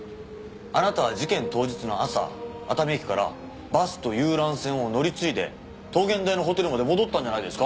あなたは事件当日の朝熱海駅からバスと遊覧船を乗り継いで桃源台のホテルまで戻ったんじゃないですか？